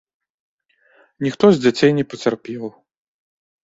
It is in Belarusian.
Ніхто з дзяцей не пацярпеў.